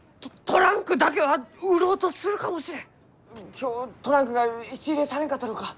今日トランクが質入れされんかったろうか？